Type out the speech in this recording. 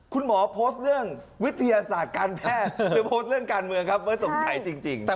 คุณหมอโพสต์เรื่องวิทยาศาสตร์การแพทย์ไปโพสต์เรื่องการเมืองครับเมื่อสงสัยจริง